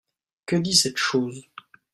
Que dit cette chose ?